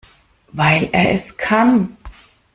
Weil er es kann.